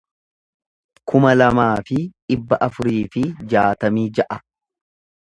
kuma lamaa fi dhibba afurii fi jaatamii ja'a